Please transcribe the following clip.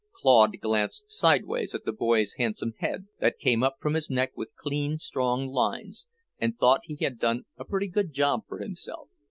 Claude glanced sidewise at the boy's handsome head, that came up from his neck with clean, strong lines, and thought he had done a pretty good job for himself.